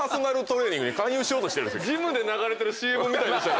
ジムで流れてるＣＭみたいでした。